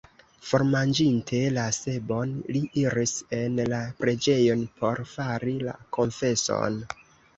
Formanĝinte la sebon, li iris en la preĝejon, por fari la konfeson.